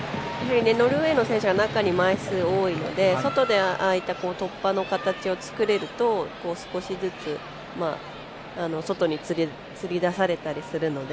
ノルウェーの選手は中に枚数が多いので、外で突破の形を作れると、少しずつ外につり出されたりするので。